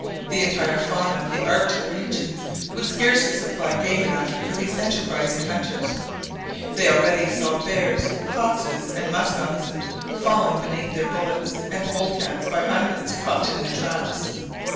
The entire fauna of the Arctic regions would scarcely supply game enough for these enterprising hunters. They already saw bears, foxes, and musk oxen, falling beneath their bullets, and pole cats by hundreds caught in their traps.